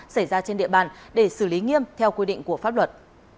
xảy ra trên địa bàn để xử lý nghiêm theo quy định của pháp luật